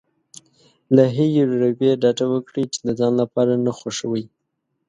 له هغې رويې ډډه وکړي چې د ځان لپاره نه خوښوي.